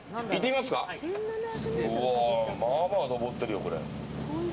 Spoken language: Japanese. まあまあ登ってるよ、これ。